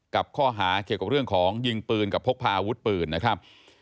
กับข้อหาเกี่ยวกับเรื่องของยิงปืนกับพกพาอาวุธปืนนะครับ